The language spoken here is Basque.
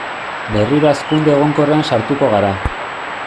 Berriro hazkunde egonkorrean sartuko gara.